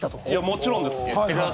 もちろんです。